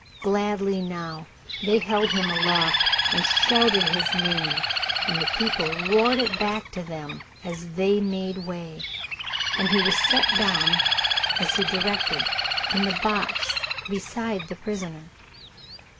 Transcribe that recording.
Gladly now they held him aloft and shouted his name, and the people roared it back to them as they made way, and he was set down, as he directed, in the box beside the prisoner.